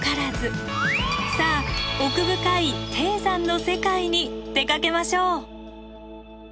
さあ奥深い低山の世界に出かけましょう。